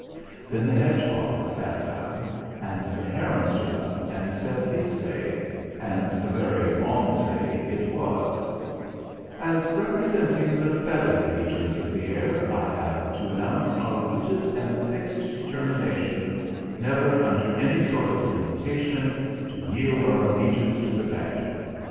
Then the hedgehog sat down, and the heron stood up and said his say and a very long say it was: "As representing the feathered legions of the air, I have to announce our rooted and fixed determination never, under any sort of temptation, to yield our allegiance to the badger.